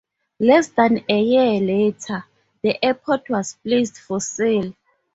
Less than a year later, the airport was placed for sale.